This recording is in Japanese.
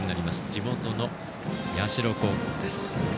地元の社高校です。